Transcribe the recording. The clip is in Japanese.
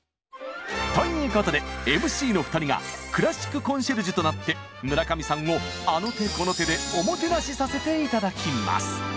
ということでＭＣの２人がクラシックコンシェルジュとなって村上さんをあの手この手で「おもてなし」させて頂きます。